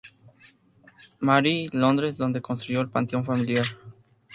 Mary, Londres, donde construyó el panteón familiar.